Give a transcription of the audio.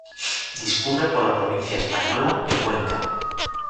Discurre por la provincia española de Cuenca.